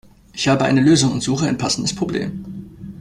Ich habe eine Lösung und suche ein passendes Problem.